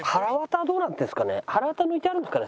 腹ワタは抜いてあるんですかね？